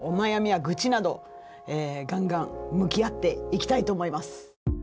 皆さんのお悩みや愚痴などがんがん向き合っていきたいと思います。